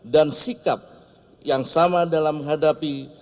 dan sikap yang sama dalam menghadapi